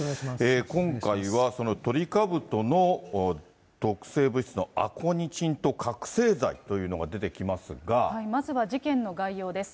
今回はトリカブトの毒性物質のアコニチンと覚醒剤というのがまずは事件の概要です。